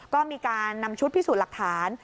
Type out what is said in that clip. ก็มีการนำชุดพิสูจน์หลักฐาน